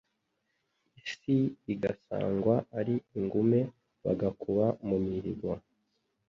Isi igasangwa ari ingume, Bagakuka mu mihigo,